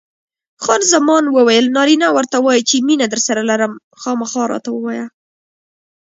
خان زمان وویل: نارینه ورته وایي چې مینه درسره لرم؟ خامخا راته ووایه.